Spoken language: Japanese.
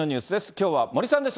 きょうは森さんです。